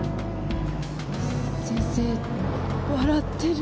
先生笑ってる。